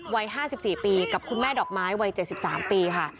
วัย๕๔ปีกับคุณแม่ดอกไม้วัย๗๓ปีค่ะ